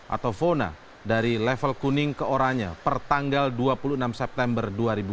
atau vona dari level kuning ke oranya per tanggal dua puluh enam september dua ribu dua puluh